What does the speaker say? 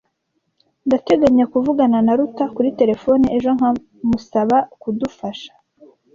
Ndateganya kuvugana na Ruta kuri terefone ejo nkamusaba kudufasha.